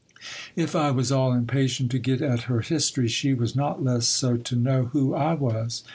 If I was all impatient to get at her history, she was not less so to know who I was.